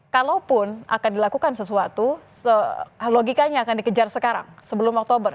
kalaupun akan dilakukan sesuatu logikanya akan dikejar sekarang sebelum oktober